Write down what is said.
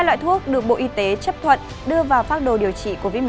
hai loại thuốc được bộ y tế chấp thuận đưa vào phác đồ điều trị covid một mươi chín